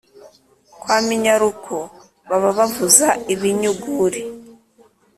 Kwa minyaruko baba bavuza ibinyuguri